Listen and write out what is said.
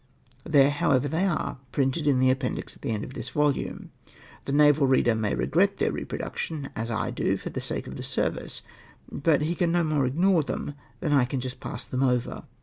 There, however, th'ey are — printed in the Appendix at the end of this volume. The naval reader may regret their reproduction, as I do, for the sake of the service, but he can no more ignore them than I can pass them over.